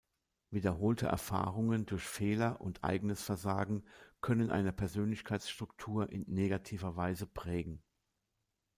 Wiederholte Erfahrungen durch Fehler und eigenes Versagen können eine Persönlichkeitsstruktur in negativer Weise prägen.